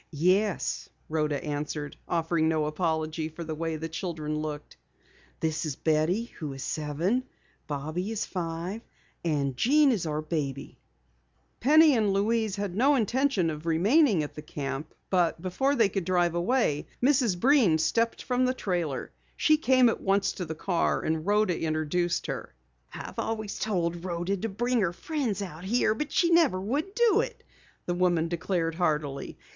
"Yes," Rhoda answered, offering no apology for the way the children looked. "This is Betty, who is seven. Bobby is five, and Jean is our baby." Penny and Louise had no intention of remaining at the camp, but before they could drive away, Mrs. Breen stepped from the trailer. She came at once to the car, and Rhoda introduced her. "I've always told Rhoda to bring her friends out here, but she never would do it," the woman declared heartily.